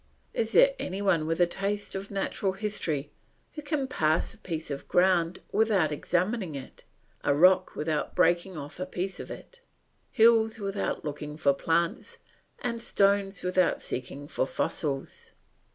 Is there any one with a taste for natural history, who can pass a piece of ground without examining it, a rock without breaking off a piece of it, hills without looking for plants, and stones without seeking for fossils?